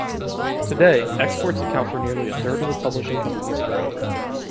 Today, exports account for nearly a third of the publishing company’s turnover.